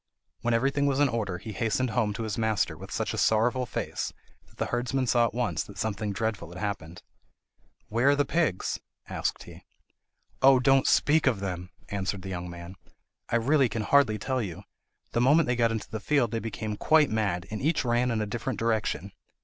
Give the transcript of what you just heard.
When everything was in order, he hastened home to his master with such a sorrowful face that the herdsman saw at once that something dreadful had happened. "Where are the pigs?" asked he. "Oh, don't speak of them!" answered the young man; "I really can hardly tell you. The moment they got into the field they became quite mad, and each ran in a different direction.